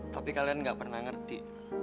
tapi kalian gak pernah ngerti